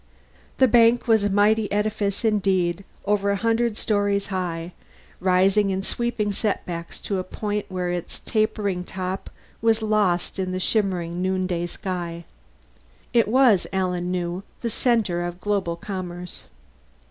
The bank was a mighty edifice indeed over a hundred stories high, rising in sweeping setbacks to a point where its tapering top was lost in the shimmering noonday sky. It was, Alan knew, the center of global commerce.